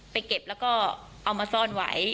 เก็บแล้วก็เอามาซ่อนไว้